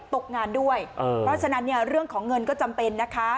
ตกงานด้วยเพราะฉะนั้นเนี่ยเรื่องของเงินก็จำเป็นนะคะ